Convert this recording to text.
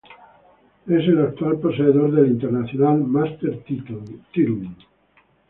Es el actual poseedor del International Master Title.